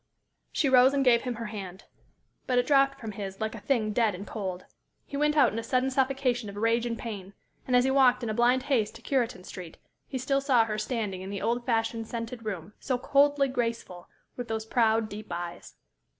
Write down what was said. She rose and gave him her hand. But it dropped from his like a thing dead and cold. He went out in a sudden suffocation of rage and pain; and as he walked in a blind haste to Cureton Street, he still saw her standing in the old fashioned, scented room, so coldly graceful, with those proud, deep eyes.